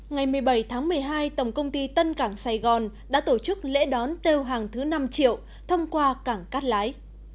ngày một mươi bảy tháng một mươi hai tổng công ty tân cảng sài gòn đã tổ chức lễ đón tiêu hàng thứ năm triệu thông qua cảng cát lái